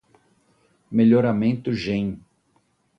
Melhoramento gen